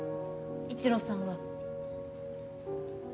一路さんは。